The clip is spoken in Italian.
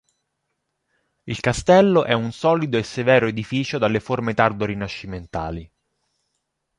Il castello è un solido e severo edificio dalle forme tardo rinascimentali.